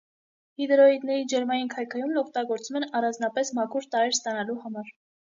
Հիդրոիդների ջերմային քայքայումն օգտագործում են առանձնապես մաքուր տարրեր ստանալու համար։